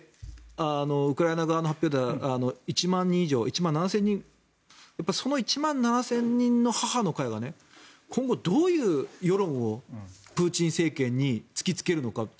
ウクライナ側の発表では１万７０００人その１万７０００人の母の会が今後、どういう世論をプーチン政権に突きつけるのか。